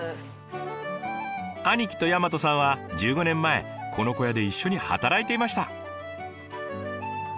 兄貴と大和さんは１５年前この小屋で一緒に働いていました。